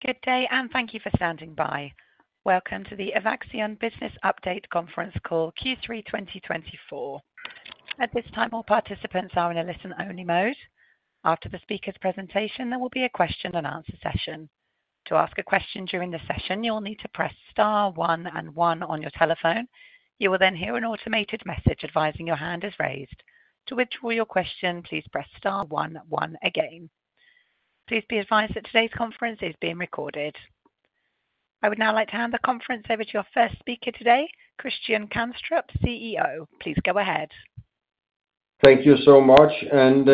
Good day, and thank you for standing by. Welcome to the Evaxion Business Update Conference Call Q3 2024. At this time, all participants are in a listen-only mode. After the speaker's presentation, there will be a question-and-answer session. To ask a question during the session, you'll need to press star, one, and one on your telephone. You will then hear an automated message advising your hand is raised. To withdraw your question, please press star, one, one again. Please be advised that today's conference is being recorded. I would now like to hand the conference over to our first speaker today, Christian Kanstrup, CEO. Please go ahead. Thank you so much, and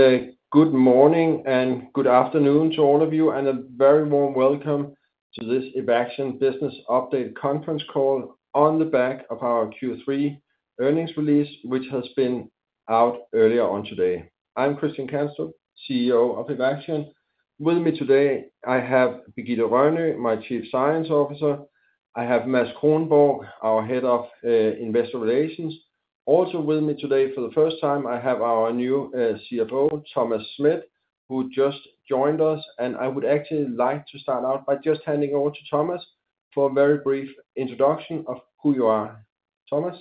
good morning and good afternoon to all of you, and a very warm welcome to this Evaxion Business Update Conference Call on the back of our Q3 earnings release, which has been out earlier on today. I'm Christian Kanstrup, CEO of Evaxion. With me today, I have Birgitte Rønø, my Chief Science Officer. I have Mads Kronborg, our Head of Investor Relations. Also with me today for the first time, I have our new CFO, Thomas Schmidt, who just joined us. And I would actually like to start out by just handing over to Thomas for a very brief introduction of who you are. Thomas?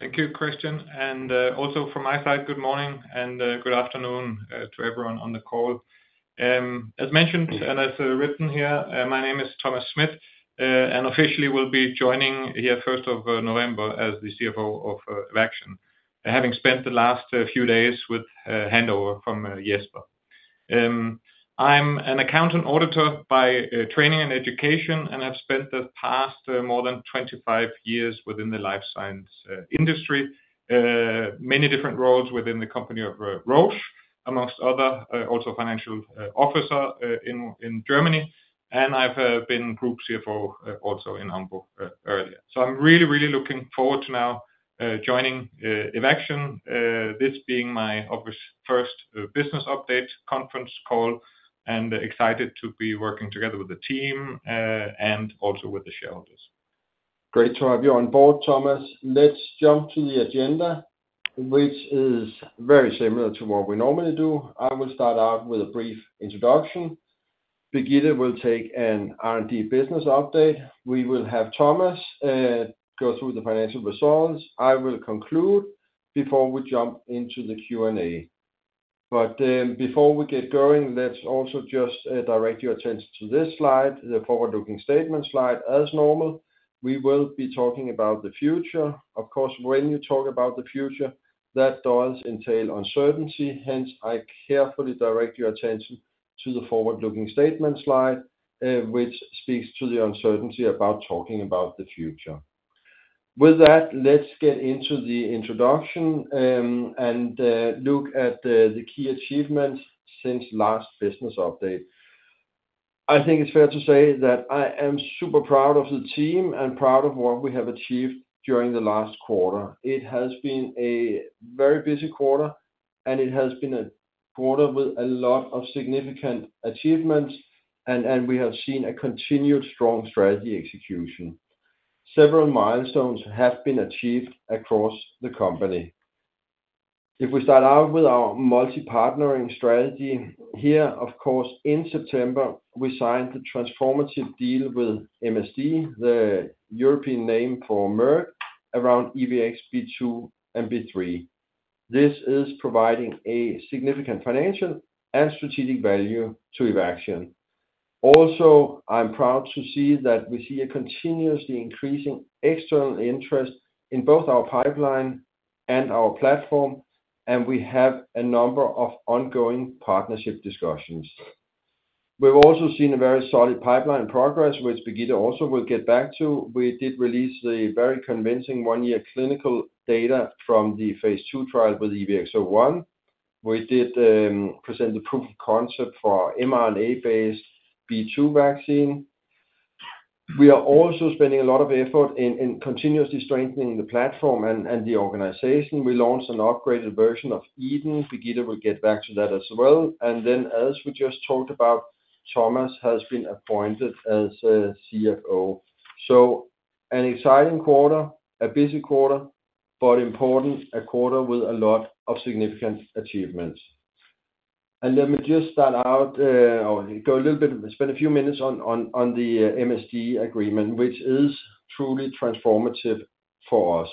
Thank you, Christian, and also from my side, good morning and good afternoon to everyone on the call. As mentioned and as written here, my name is Thomas Schmidt, and officially will be joining here 1st of November as the CFO of Evaxion, having spent the last few days with handover from Jesper. I'm an accountant auditor by training and education, and I've spent the past more than 25 years within the life science industry, many different roles within the company of Roche, amongst others, also financial officer in Germany, and I've been Group CFO also in Hamburg earlier, so I'm really, really looking forward to now joining Evaxion, this being my first business update conference call, and excited to be working together with the team and also with the shareholders. Great to have you on board, Thomas. Let's jump to the agenda, which is very similar to what we normally do. I will start out with a brief introduction. Birgitte will take an R&D business update. We will have Thomas go through the financial results. I will conclude before we jump into the Q&A. But before we get going, let's also just direct your attention to this slide, the forward-looking statement slide. As normal, we will be talking about the future. Of course, when you talk about the future, that does entail uncertainty. Hence, I carefully direct your attention to the forward-looking statement slide, which speaks to the uncertainty about talking about the future. With that, let's get into the introduction and look at the key achievements since last business update. I think it's fair to say that I am super proud of the team and proud of what we have achieved during the last quarter. It has been a very busy quarter, and it has been a quarter with a lot of significant achievements, and we have seen a continued strong strategy execution. Several milestones have been achieved across the company. If we start out with our multi-partnering strategy here, of course, in September, we signed the transformative deal with MSD, the European name for Merck, around EVX-B2 and EVX-B3. This is providing a significant financial and strategic value to Evaxion. Also, I'm proud to see that we see a continuously increasing external interest in both our pipeline and our platform, and we have a number of ongoing partnership discussions. We've also seen a very solid pipeline progress, which Birgitte also will get back to. We did release a very convincing one-year clinical data from the phase 2 trial with EVX-01. We did present the proof of concept for mRNA-based B2 vaccine. We are also spending a lot of effort in continuously strengthening the platform and the organization. We launched an upgraded version of EDEN. Birgitte will get back to that as well, and then, as we just talked about, Thomas has been appointed as CFO, so an exciting quarter, a busy quarter, but an important quarter with a lot of significant achievements, and let me just start out or go a little bit, spend a few minutes on the MSD agreement, which is truly transformative for us.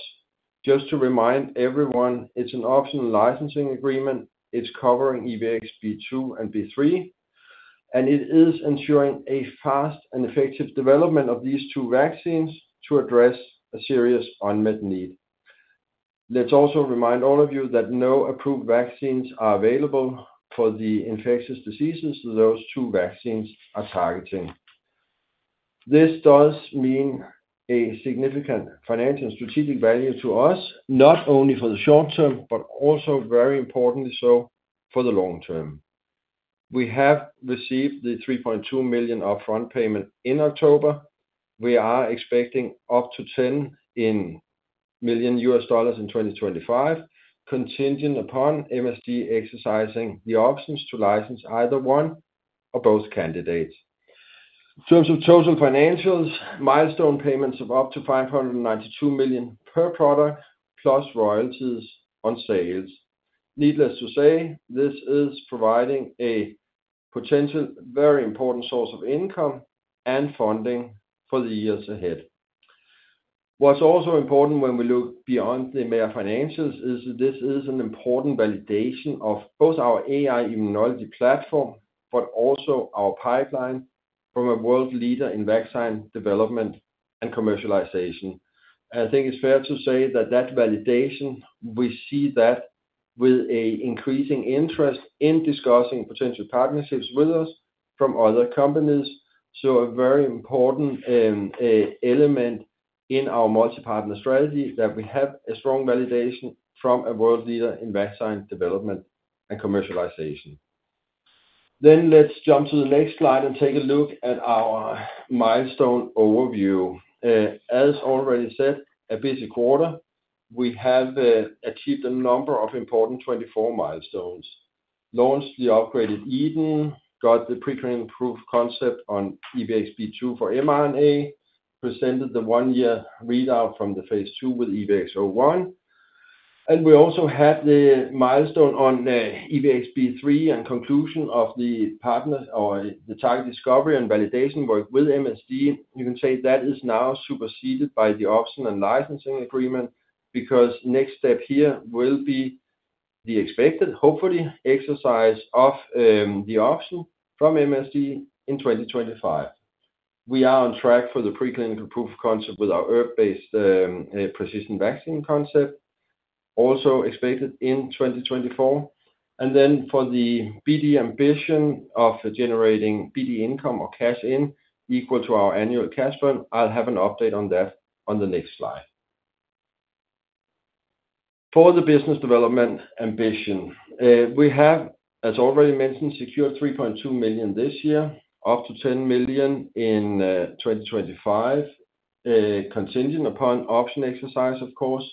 Just to remind everyone, it's an optional licensing agreement. It's covering EVX-B2 and EVX-B3, and it is ensuring a fast and effective development of these two vaccines to address a serious unmet need. Let's also remind all of you that no approved vaccines are available for the infectious diseases those two vaccines are targeting. This does mean a significant financial and strategic value to us, not only for the short term, but also, very importantly, for the long term. We have received the $3.2 million upfront payment in October. We are expecting up to $10 million in 2025, contingent upon MSD exercising the options to license either one or both candidates. In terms of total financials, milestone payments of up to $592 million per product, plus royalties on sales. Needless to say, this is providing a potential very important source of income and funding for the years ahead. What's also important when we look beyond the mere financials is that this is an important validation of both our AI-Immunology platform, but also our pipeline from a world leader in vaccine development and commercialization. And I think it's fair to say that that validation, we see that with an increasing interest in discussing potential partnerships with us from other companies. So a very important element in our multi-partner strategy is that we have a strong validation from a world leader in vaccine development and commercialization. Then let's jump to the next slide and take a look at our milestone overview. As already said, a busy quarter. We have achieved a number of important 24 milestones. Launched the upgraded EDEN, got the pre-clinical proof of concept on EVX-B2 for mRNA, presented the one-year readout from the phase 2 with EVX-01. We also had the milestone on EVX-B3 and conclusion of the partner or the target discovery and validation work with MSD. You can say that is now superseded by the option and licensing agreement because the next step here will be the expected, hopefully, exercise of the option from MSD in 2025. We are on track for the pre-clinical proof of concept with our ERV-based persistent vaccine concept, also expected in 2024. Then for the BD ambition of generating BD income or cash equal to our annual cash fund, I'll have an update on that on the next slide. For the business development ambition, we have, as already mentioned, secured $3.2 million this year, up to $10 million in 2025, contingent upon option exercise, of course.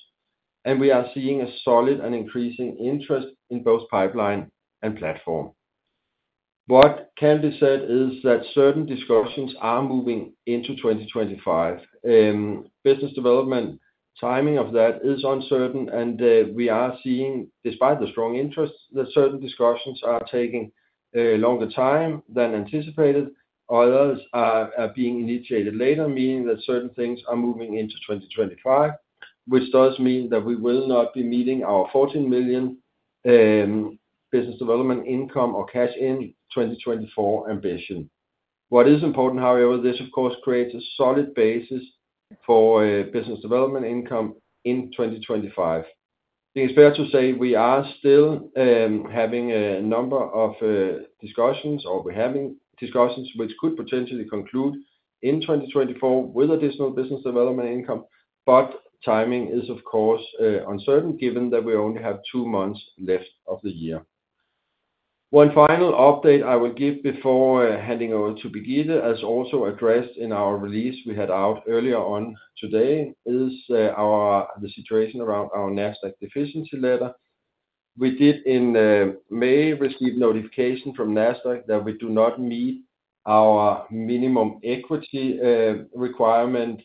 We are seeing a solid and increasing interest in both pipeline and platform. What can be said is that certain discussions are moving into 2025. Business development timing of that is uncertain, and we are seeing, despite the strong interest, that certain discussions are taking longer time than anticipated. Others are being initiated later, meaning that certain things are moving into 2025, which does mean that we will not be meeting our $14 million business development income or cash in 2024 ambition. What is important, however. This, of course, creates a solid basis for business development income in 2025. It is fair to say we are still having a number of discussions or we're having discussions which could potentially conclude in 2024 with additional business development income, but timing is, of course, uncertain given that we only have two months left of the year. One final update I will give before handing over to Birgitte, as also addressed in our release we had out earlier on today, is the situation around our Nasdaq deficiency letter. We did in May receive notification from Nasdaq that we do not meet our minimum equity requirement,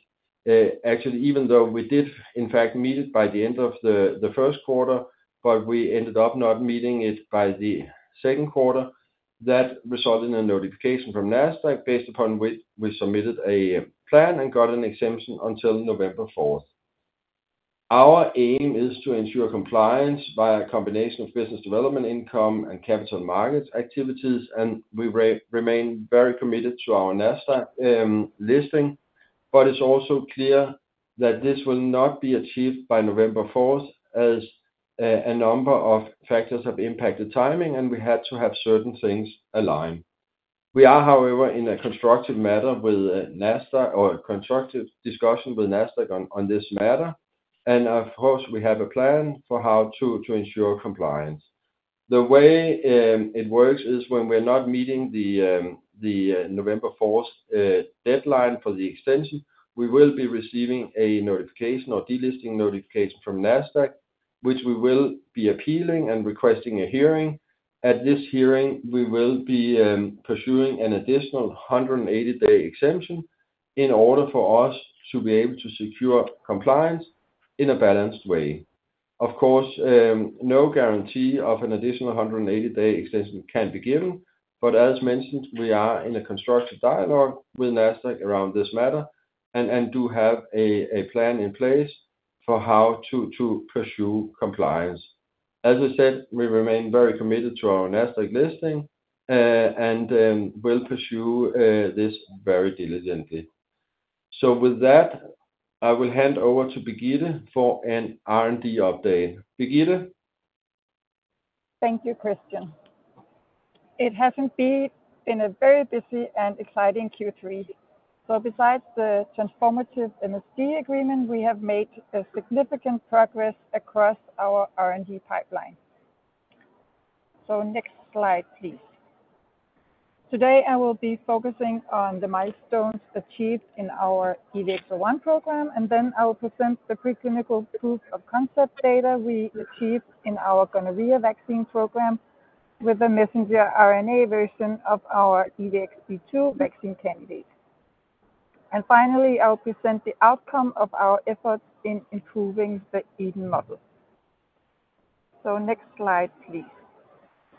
actually, even though we did, in fact, meet it by the end of the first quarter, but we ended up not meeting it by the second quarter. That resulted in a notification from Nasdaq based upon which we submitted a plan and got an exemption until November 4th. Our aim is to ensure compliance via a combination of business development income and capital markets activities, and we remain very committed to our Nasdaq listing. But it's also clear that this will not be achieved by November 4th as a number of factors have impacted timing, and we had to have certain things aligned. We are, however, in constructive discussions with Nasdaq on this matter, and of course, we have a plan for how to ensure compliance. The way it works is when we're not meeting the November 4th deadline for the extension, we will be receiving a notification or delisting notification from Nasdaq, which we will be appealing and requesting a hearing. At this hearing, we will be pursuing an additional 180-day exemption in order for us to be able to secure compliance in a balanced way. Of course, no guarantee of an additional 180-day extension can be given, but as mentioned, we are in a constructive dialogue with Nasdaq around this matter and do have a plan in place for how to pursue compliance. As I said, we remain very committed to our Nasdaq listing and will pursue this very diligently. So with that, I will hand over to Birgitte for an R&D update. Birgitte? Thank you, Christian. It hasn't been a very busy and exciting Q3. So besides the transformative MSD agreement, we have made significant progress across our R&D pipeline. So next slide, please. Today, I will be focusing on the milestones achieved in our EVX-01 program, and then I will present the pre-clinical proof of concept data we achieved in our gonorrhea vaccine program with the messenger RNA version of our EVX-B2 vaccine candidate. And finally, I'll present the outcome of our efforts in improving the EDEN model. So next slide, please.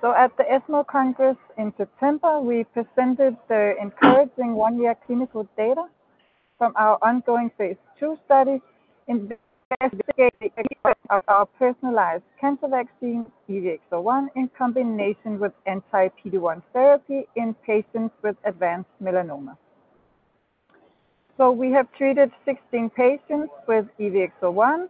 So at the ESMO Congress in September, we presented the encouraging one-year clinical data from our ongoing phase two study investigating the effect of our personalized cancer vaccine, EVX-01, in combination with anti-PD-1 therapy in patients with advanced melanoma. We have treated 16 patients with EVX-01,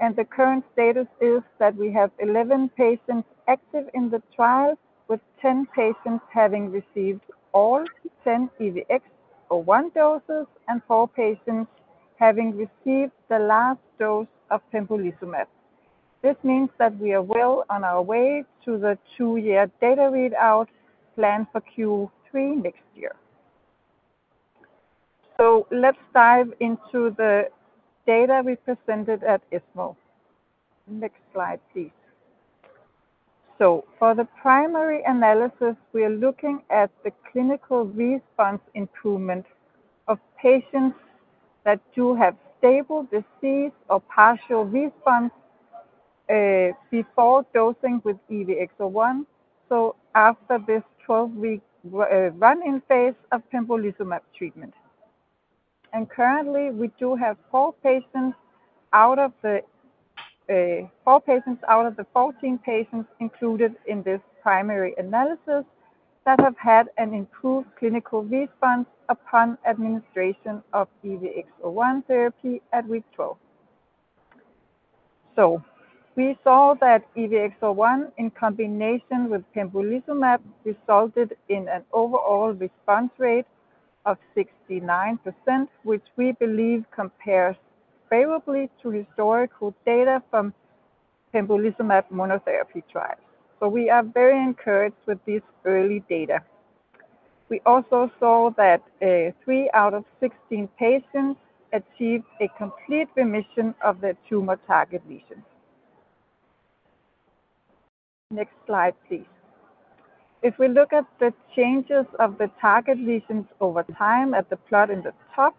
and the current status is that we have 11 patients active in the trial, with 10 patients having received all 10 EVX-01 doses and 4 patients having received the last dose of pembrolizumab. This means that we are well on our way to the two-year data readout planned for Q3 next year. Let's dive into the data we presented at ESMO. Next slide, please. For the primary analysis, we are looking at the clinical response improvement of patients that do have stable disease or partial response before dosing with EVX-01, so after this 12-week run-in phase of pembrolizumab treatment. Currently, we do have 4 patients out of the 14 patients included in this primary analysis that have had an improved clinical response upon administration of EVX-01 therapy at week 12. We saw that EVX-01 in combination with pembrolizumab resulted in an overall response rate of 69%, which we believe compares favorably to historical data from pembrolizumab monotherapy trials. We are very encouraged with this early data. We also saw that three out of 16 patients achieved a complete remission of their tumor target lesions. Next slide, please. If we look at the changes in the target lesions over time at the plot at the top,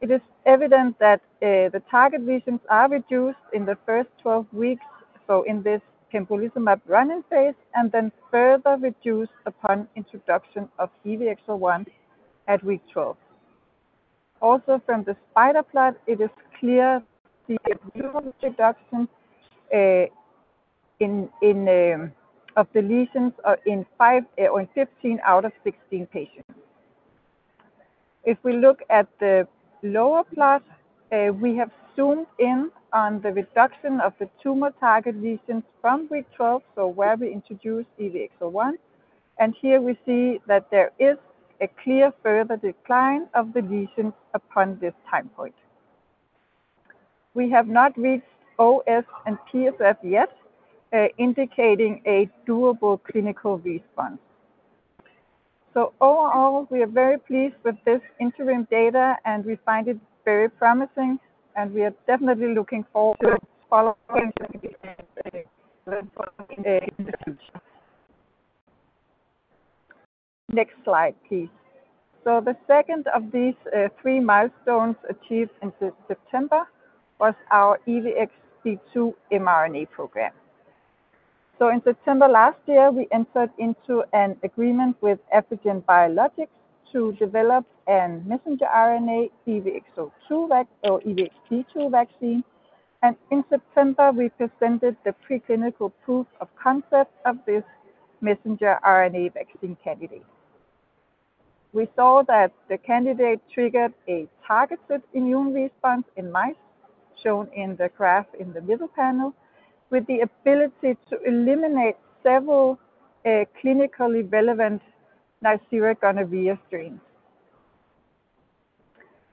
it is evident that the target lesions are reduced in the first 12 weeks, so in this pembrolizumab run-in phase, and then further reduced upon introduction of EVX-01 at week 12. Also, from the spider plot, it is clear the abnormal reduction of the lesions in 15 out of 16 patients. If we look at the lower plot, we have zoomed in on the reduction of the tumor target lesions from week 12, so where we introduced EVX-01, and here we see that there is a clear further decline of the lesions upon this time point. We have not reached OS and PFS yet, indicating a durable clinical response, so overall, we are very pleased with this interim data, and we find it very promising, and we are definitely looking forward to following up with you in the future. Next slide, please. The second of these three milestones achieved in September was our EVX-B2 mRNA program. In September last year, we entered into an agreement with Afrigen Biologics to develop a messenger RNA EVX-02 vaccine or EVX-B2 vaccine, and in September, we presented the pre-clinical proof of concept of this messenger RNA vaccine candidate. We saw that the candidate triggered a targeted immune response in mice, shown in the graph in the middle panel, with the ability to eliminate several clinically relevant Neisseria gonorrhoeae strains.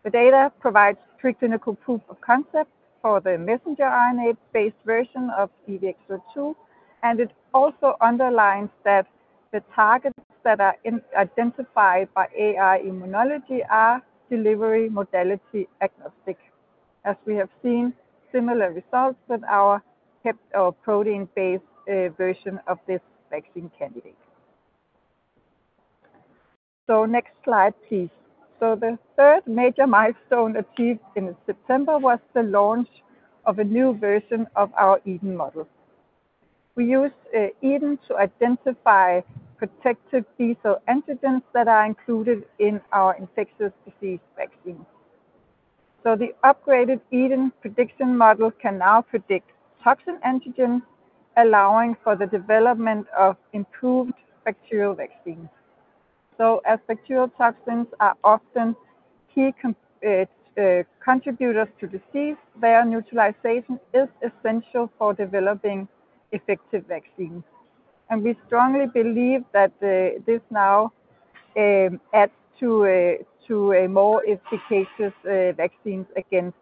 The data provides pre-clinical proof of concept for the messenger RNA-based version of EVX-02, and it also underlines that the targets that are identified by AI-Immunology are delivery modality agnostic, as we have seen similar results with our protein-based version of this vaccine candidate. So next slide, please. So the third major milestone achieved in September was the launch of a new version of our EDEN model. We used EDEN to identify protective B-cell antigens that are included in our infectious disease vaccines. So the upgraded EDEN prediction model can now predict toxin antigens, allowing for the development of improved bacterial vaccines. As bacterial toxins are often key contributors to disease, their neutralization is essential for developing effective vaccines. We strongly believe that this now adds to more efficacious vaccines against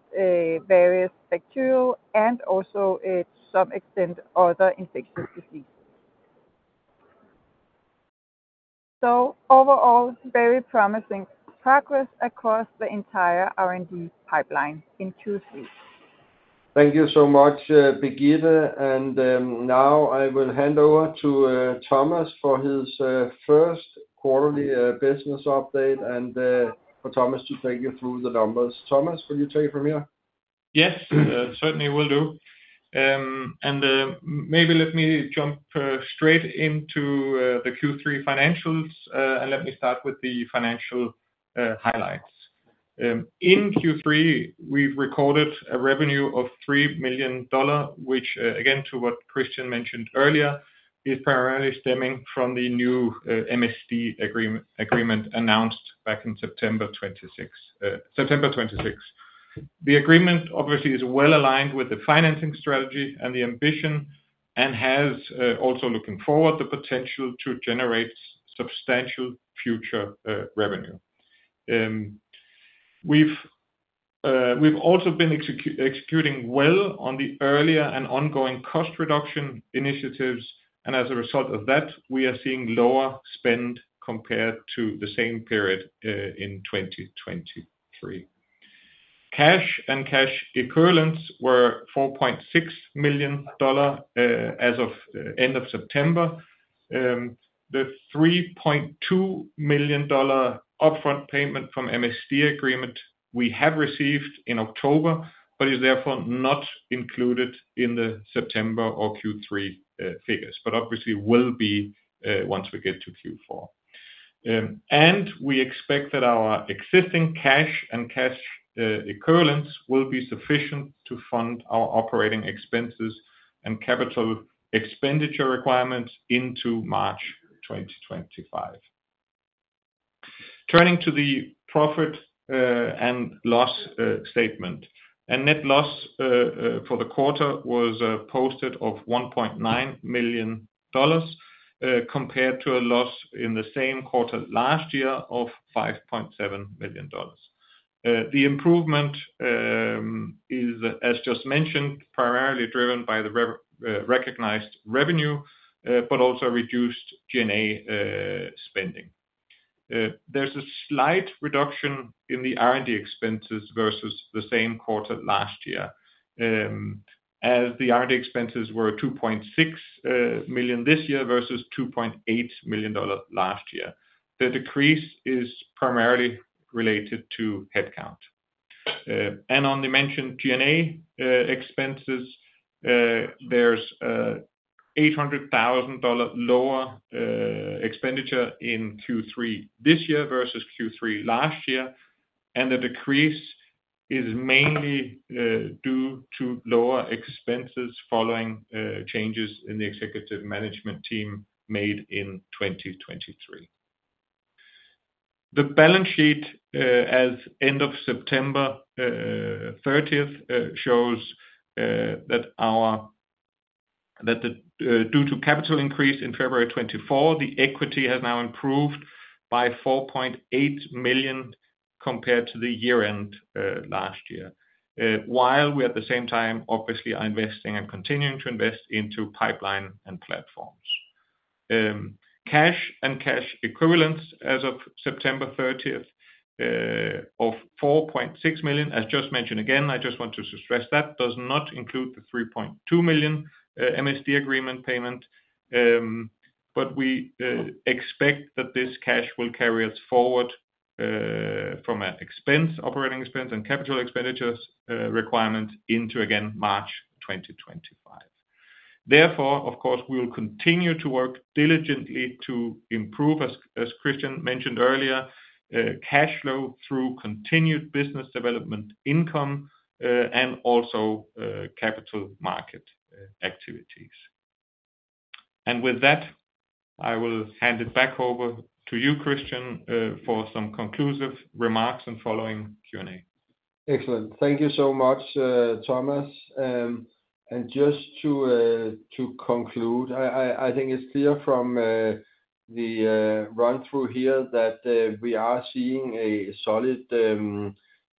various bacterial and also, to some extent, other infectious diseases. Overall, very promising progress across the entire R&D pipeline in Q3. Thank you so much, Birgitte. And now I will hand over to Thomas for his first quarterly business update and for Thomas to take you through the numbers. Thomas, will you take it from here? Yes, certainly will do. And maybe let me jump straight into the Q3 financials, and let me start with the financial highlights. In Q3, we've recorded a revenue of $3 million, which, again, to what Christian mentioned earlier, is primarily stemming from the new MSD agreement announced back in September 26. The agreement, obviously, is well aligned with the financing strategy and the ambition and has also, looking forward, the potential to generate substantial future revenue. We've also been executing well on the earlier and ongoing cost reduction initiatives, and as a result of that, we are seeing lower spend compared to the same period in 2023. Cash and cash equivalents were $4.6 million as of the end of September. The $3.2 million upfront payment from MSD agreement we have received in October but is therefore not included in the September or Q3 figures, but obviously will be once we get to Q4. We expect that our existing cash and cash equivalents will be sufficient to fund our operating expenses and capital expenditure requirements into March 2025. Turning to the profit and loss statement, a net loss for the quarter was posted of $1.9 million compared to a loss in the same quarter last year of $5.7 million. The improvement is, as just mentioned, primarily driven by the recognized revenue, but also reduced G&A spending. There's a slight reduction in the R&D expenses versus the same quarter last year, as the R&D expenses were $2.6 million this year versus $2.8 million last year. The decrease is primarily related to headcount. On the mentioned G&A expenses, there's a $800,000 lower expenditure in Q3 this year versus Q3 last year, and the decrease is mainly due to lower expenses following changes in the executive management team made in 2023. The balance sheet as of the end of September 30 shows that due to capital increase in February 2024, the equity has now improved by $4.8 million compared to the year-end last year, while we at the same time, obviously, are investing and continuing to invest into pipeline and platforms. Cash and cash equivalents as of September 30 of $4.6 million, as just mentioned again, I just want to stress that does not include the $3.2 million MSD agreement payment, but we expect that this cash will carry us forward from our expense, operating expense, and capital expenditure requirement into, again, March 2025. Therefore, of course, we will continue to work diligently to improve, as Christian mentioned earlier, cash flow through continued business development income and also capital market activities, and with that, I will hand it back over to you, Christian, for some conclusive remarks and following Q&A. Excellent. Thank you so much, Thomas. And just to conclude, I think it's clear from the run-through here that we are seeing a solid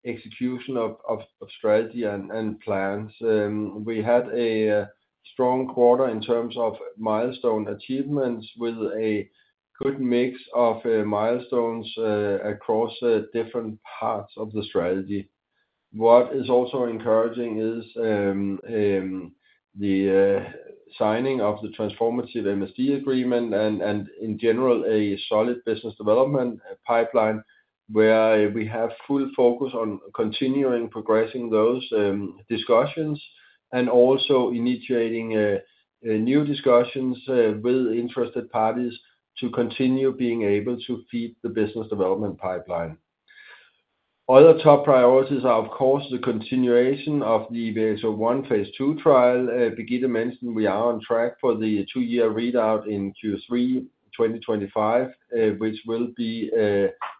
execution of strategy and plans. We had a strong quarter in terms of milestone achievements with a good mix of milestones across different parts of the strategy. What is also encouraging is the signing of the transformative MSD agreement and, in general, a solid business development pipeline where we have full focus on continuing progressing those discussions and also initiating new discussions with interested parties to continue being able to feed the business development pipeline. Other top priorities are, of course, the continuation of the EVX-01 phase two trial. Birgitte mentioned we are on track for the two-year readout in Q3 2025, which will be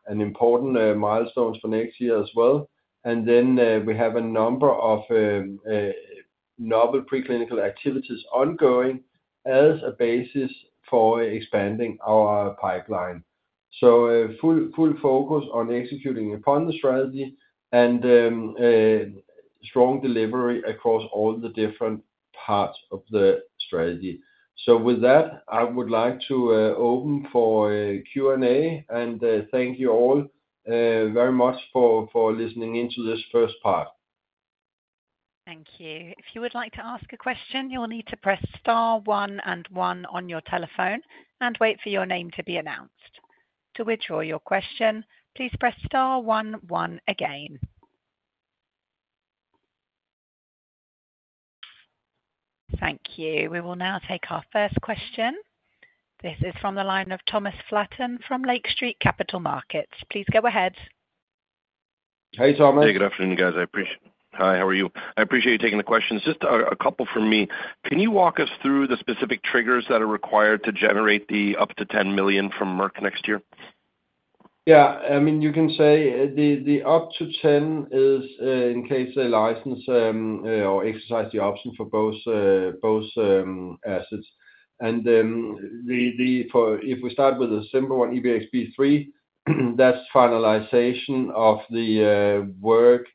an important milestone for next year as well. And then we have a number of novel preclinical activities ongoing as a basis for expanding our pipeline. So full focus on executing upon the strategy and strong delivery across all the different parts of the strategy. So with that, I would like to open for Q&A and thank you all very much for listening into this first part. Thank you. If you would like to ask a question, you'll need to press star one and one on your telephone and wait for your name to be announced. To withdraw your question, please press star one one again. Thank you. We will now take our first question. This is from the line of Thomas Flaten from Lake Street Capital Markets. Please go ahead. Hey, Thomas. Hey, good afternoon, guys. I appreciate it. Hi, how are you? I appreciate you taking the questions. Just a couple from me. Can you walk us through the specific triggers that are required to generate the up to $10 million from Merck next year? Yeah. I mean, you can say the up to 10 is in case they license or exercise the option for both assets. And if we start with the simple one, EVX-B3, that's finalization of the work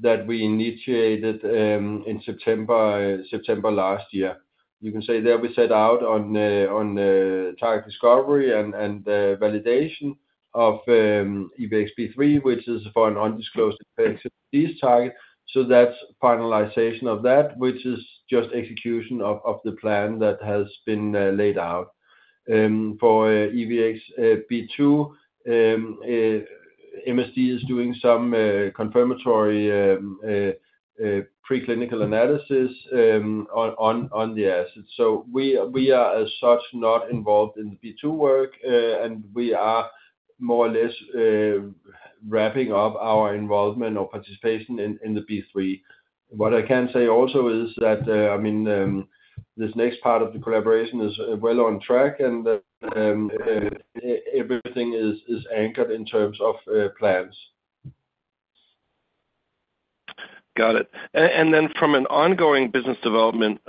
that we initiated in September last year. You can say there we set out on target discovery and validation of EVX-B3, which is for an undisclosed infectious disease target. So that's finalization of that, which is just execution of the plan that has been laid out. For EVX-B2, MSD is doing some confirmatory preclinical analysis on the assets. So we are, as such, not involved in the B2 work, and we are more or less wrapping up our involvement or participation in the B3. What I can say also is that, I mean, this next part of the collaboration is well on track, and everything is anchored in terms of plans. Got it. And then from an ongoing business development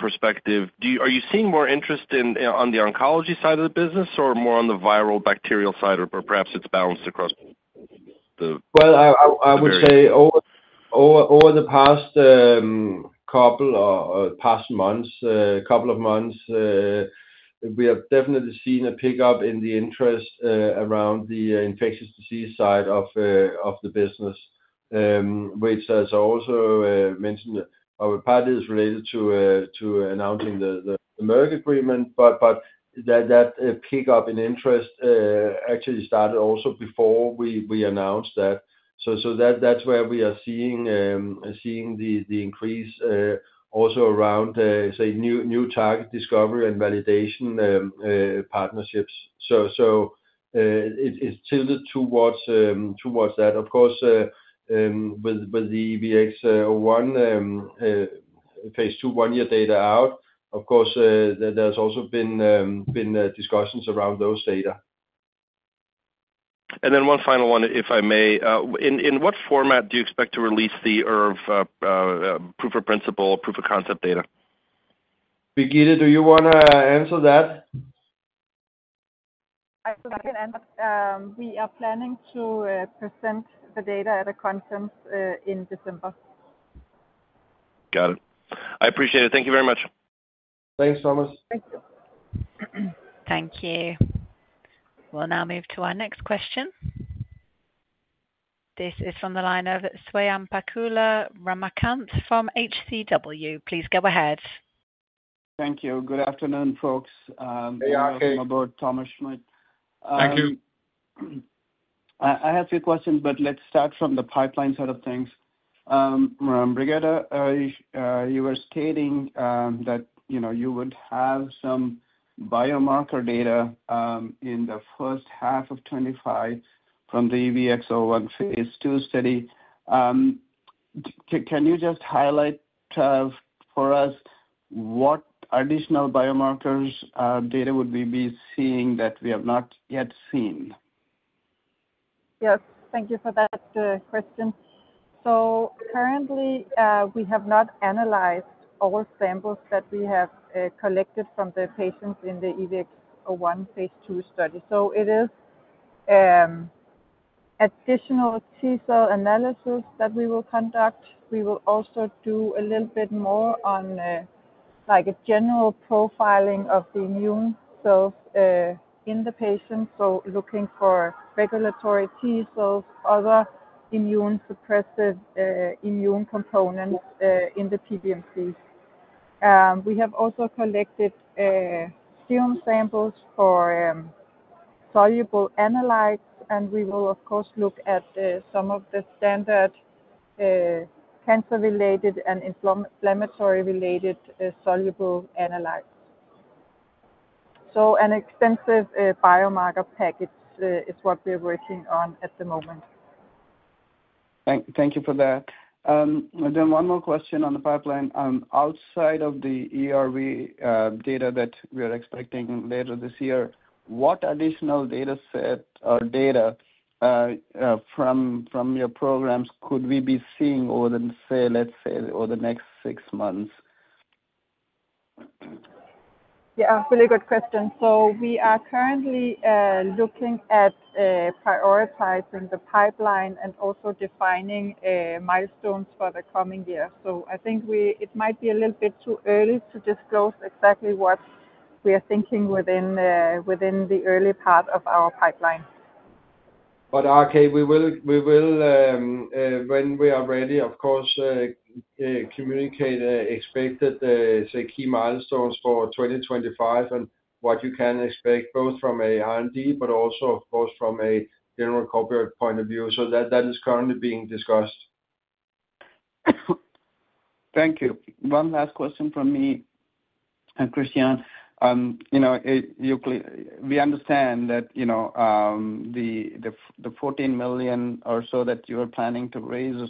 perspective, are you seeing more interest on the oncology side of the business or more on the viral bacterial side, or perhaps it's balanced across the? I would say over the past couple or past months, a couple of months, we have definitely seen a pickup in the interest around the infectious disease side of the business, which, as also mentioned, partly is related to announcing the Merck agreement, but that pickup in interest actually started also before we announced that. That's where we are seeing the increase also around, say, new target discovery and validation partnerships. It's tilted towards that. Of course, with the EVX-01 phase 2 one-year data out, of course, there's also been discussions around those data. And then one final one, if I may. In what format do you expect to release the ERV proof of principle, proof of concept data? Birgitte, do you want to answer that? I can answer. We are planning to present the data at a conference in December. Got it. I appreciate it. Thank you very much. Thanks, Thomas. Thank you. Thank you. We'll now move to our next question. This is from the line of Swayampakula Ramakanth from HCW. Please go ahead. Thank you. Good afternoon, folks. Hey, RK. I'm about Thomas Schmidt. Thank you. I have a few questions, but let's start from the pipeline side of things. Birgitte, you were stating that you would have some biomarker data in the first half of 2025 from the EVX-01 phase 2 study. Can you just highlight for us what additional biomarkers data would we be seeing that we have not yet seen? Yes. Thank you for that, Christian. So currently, we have not analyzed all samples that we have collected from the patients in the EVX-01 phase two study. So it is additional T cell analysis that we will conduct. We will also do a little bit more on a general profiling of the immune cells in the patients, so looking for regulatory T cells, other immune suppressive immune components in the PBMC. We have also collected serum samples for soluble analytes, and we will, of course, look at some of the standard cancer-related and inflammatory-related soluble analytes. So an extensive biomarker package is what we're working on at the moment. Thank you for that. And then one more question on the pipeline. Outside of the ERV data that we are expecting later this year, what additional data set or data from your programs could we be seeing over the, say, let's say, over the next six months? Yeah, really good question. So we are currently looking at prioritizing the pipeline and also defining milestones for the coming year. So I think it might be a little bit too early to disclose exactly what we are thinking within the early part of our pipeline. But RK, we will, when we are ready, of course, communicate expected, say, key milestones for 2025 and what you can expect both from an R&D but also, of course, from a general corporate point of view. So that is currently being discussed. Thank you. One last question from me, Christian. We understand that the $14 million or so that you are planning to raise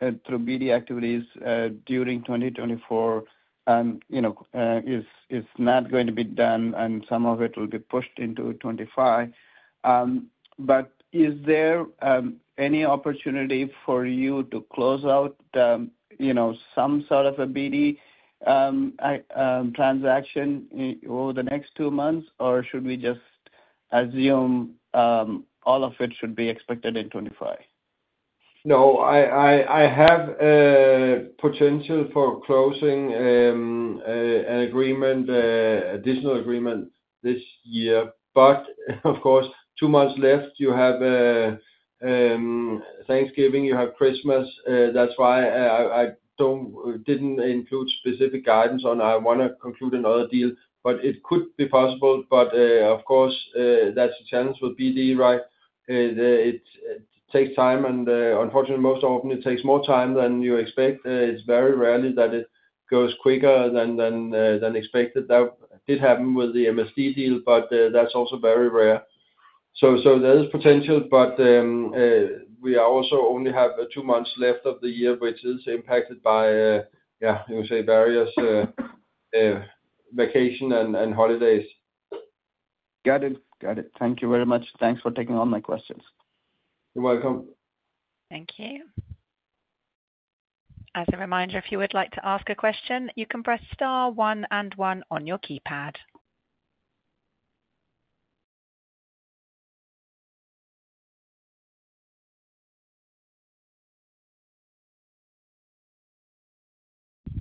through BD activities during 2024 is not going to be done, and some of it will be pushed into 2025. But is there any opportunity for you to close out some sort of a BD transaction over the next two months, or should we just assume all of it should be expected in 2025? No, I have potential for closing an agreement, additional agreement this year. But, of course, two months left, you have Thanksgiving, you have Christmas. That's why I didn't include specific guidance. I want to conclude another deal, but it could be possible. But, of course, that's a challenge with BD, right? It takes time, and unfortunately, most often it takes more time than you expect. It's very rarely that it goes quicker than expected. That did happen with the MSD deal, but that's also very rare. So there is potential, but we also only have two months left of the year, which is impacted by, yeah, you would say, various vacations and holidays. Got it. Got it. Thank you very much. Thanks for taking all my questions. You're welcome. Thank you. As a reminder, if you would like to ask a question, you can press star one and one on your keypad.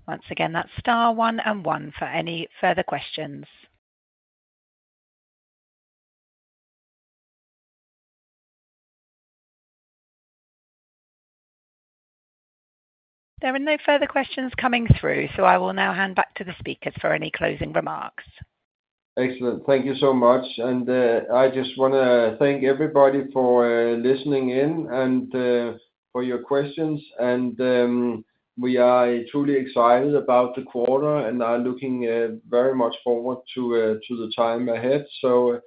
Once again, that's star one and one for any further questions. There are no further questions coming through, so I will now hand back to the speakers for any closing remarks. Excellent. Thank you so much. And I just want to thank everybody for listening in and for your questions. And we are truly excited about the quarter and are looking very much forward to the time ahead. So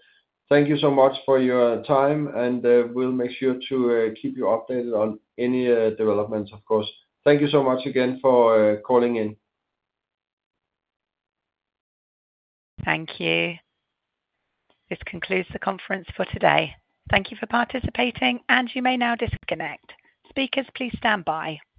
thank you so much for your time, and we'll make sure to keep you updated on any developments, of course. Thank you so much again for calling in. Thank you. This concludes the conference for today. Thank you for participating, and you may now disconnect. Speakers, please stand by.